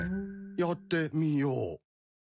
やってみよう。